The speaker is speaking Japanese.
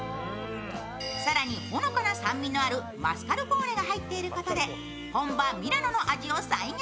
更に、ほのかな酸味のあるマスカルポーネが入っていることで本場ミラノの味を再現。